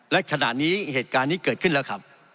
และขณะนี้เหตุการณ์นี้เกิดขึ้นแล้วครับ